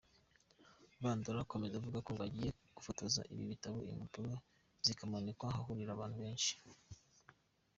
Bandora akomeza avuga ko bagiye gufotoza ibi bitabo, impapuro zikamanikwa ahahurira abantu benshi.